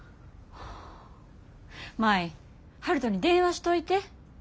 舞悠人に電話しといて。